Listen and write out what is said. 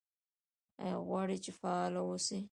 ایا غواړئ چې فعال اوسئ؟